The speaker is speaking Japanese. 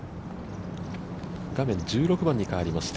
画面１６番に変わりました。